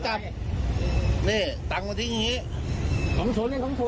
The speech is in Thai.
๓๐สังโลก